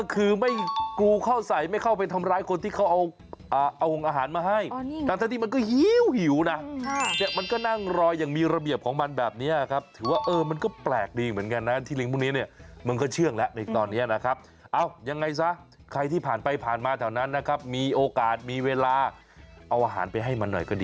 กูเข้าใส่ไม่เข้าไปทำร้ายคนที่เขาเอาห่วงอาหารมาให้